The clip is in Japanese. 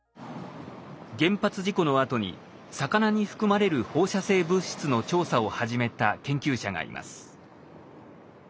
原発事故のあとに魚に含まれる放射性物質の調査を始めた研究者がいます。